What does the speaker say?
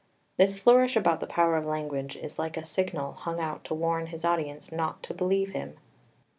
This flourish about the power of language is like a signal hung out to warn his audience not to believe him.